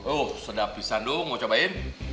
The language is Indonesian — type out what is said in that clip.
oh sedap bisa dong mau cobain